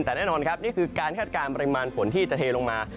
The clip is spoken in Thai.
แต่แน่นอนครับนี่คือการคาดการณปริมาณฝนที่จะเทลงมา